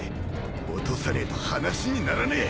落とさねえと話にならねえ。